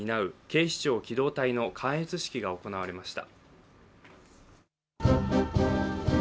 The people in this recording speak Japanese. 警視庁機動隊の観閲式が行われました。